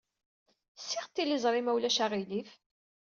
Ssiɣ tiliẓri, ma ulac aɣilif.